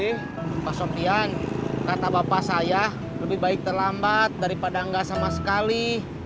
pak sompian kata bapak saya lebih baik terlambat daripada enggak sama sekali